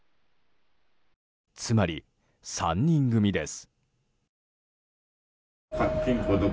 つまり３人組です。